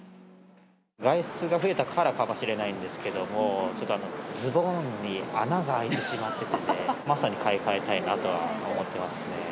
外出が増えたからかもしれないんですけど、ちょっとズボンに穴が開いてしまっていて、まさに買い替えたいなと思ってますね。